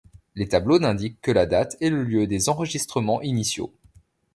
Les tableaux n'indiquent que la date et le lieu des enregistrements initiaux.